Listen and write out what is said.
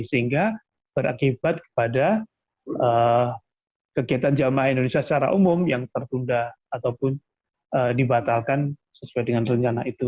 sehingga berakibat kepada kegiatan jamaah indonesia secara umum yang tertunda ataupun dibatalkan sesuai dengan rencana itu